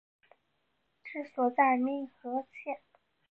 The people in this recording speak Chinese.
治所在牂牁县。